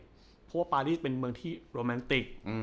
เพราะว่าปารีสเป็นเมืองที่โรแมนติก